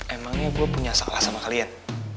emangnya gue punya sekolah sama kalian